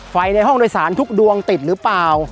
ในห้องโดยสารทุกดวงติดหรือเปล่า